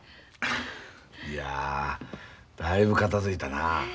いやだいぶ片づいたなあ。